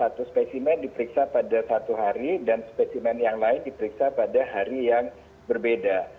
satu spesimen diperiksa pada satu hari dan spesimen yang lain diperiksa pada hari yang berbeda